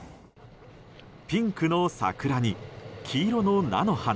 ピンクの桜に黄色の菜の花。